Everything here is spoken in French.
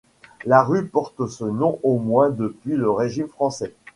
La rue porte ce nom au moins depuis le régime français.